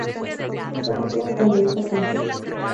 Está casado con Rita Cantero García con la que tiene un hijo, David.